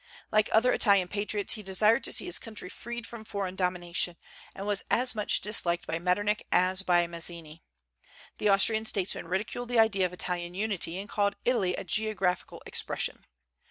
Like other Italian patriots, he desired to see his country freed from foreign domination, and was as much disliked by Metternich as by Mazzini. The Austrian statesman ridiculed the idea of Italian unity, and called Italy a "geographical expression."